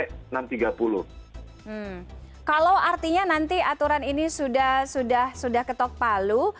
hmm kalau artinya nanti aturan ini sudah ketok palu